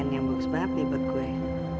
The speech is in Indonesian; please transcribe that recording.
kuncian yang bagus banget nih buat gue